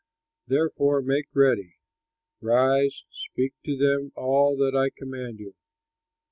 "Therefore make ready, rise, speak to them all that I command you.